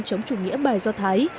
chống chủ nghĩa bài do thái